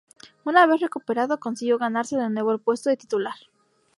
Una vez recuperado consiguió ganarse de nuevo el puesto de titular.